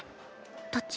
どっち？